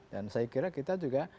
dan saya kira kita juga